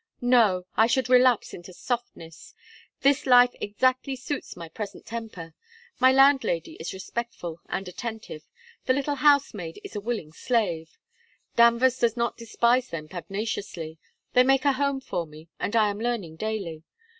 'No! I should relapse into softness. This life exactly suits my present temper. My landlady is respectful and attentive; the little housemaid is a willing slave; Danvers does not despise them pugnaciously; they make a home for me, and I am learning daily.